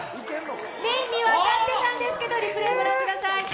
面には当たってたんですけどリプレー御覧ください。